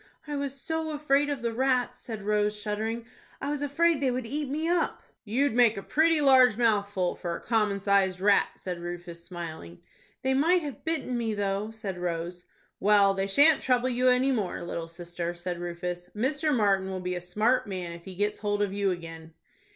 "I was so afraid of the rats," said Rose, shuddering. "I was afraid they would eat me up." "You'd make a pretty large mouthful for a common sized rat," said Rufus, smiling. "They might have bitten me, though," said Rose. "Well, they shan't trouble you any more, little sister," said Rufus. "Mr. Martin will be a smart man if he gets hold of you again."